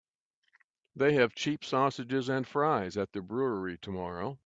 They have cheap sausages and fries at the brewery tomorrow.